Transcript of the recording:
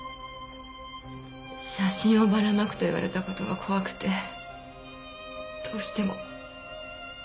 写真をばらまくと言われた事が怖くてどうしても。